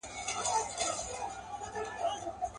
سر له کتابه کړه راپورته.